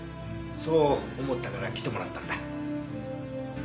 そう思ったから来てもらったんだ。